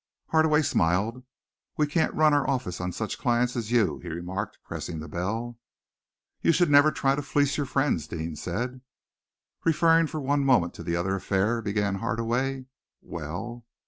Hardaway smiled. "We can't run our office on such clients as you," he remarked, pressing the bell. "You should never try to fleece your friends," Deane said. "Referring for one moment to the other affair " began Hardaway. "Well?"